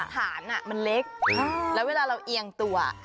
ฐานมันเล็กแล้วเวลาเราเอียงตัว